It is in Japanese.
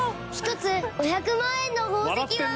１つ５００万円の宝石は。